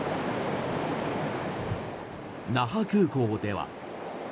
那覇空港では。